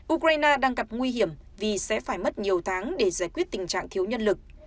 ukraine đang gặp nguy hiểm vì sẽ phải mất nhiều tháng để giải quyết tình trạng thiếu nhân lực